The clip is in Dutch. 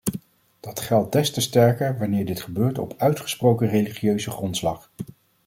Dat geldt des te sterker wanneer dit gebeurt op uitgesproken religieuze grondslag.